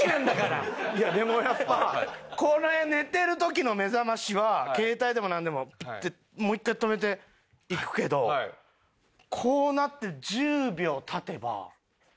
いやでもやっぱこれ寝てる時の目覚ましは携帯でもなんでもピッてもう一回止めていくけどこうなって１０秒経てば。